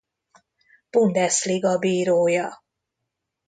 Bundesliga bírója.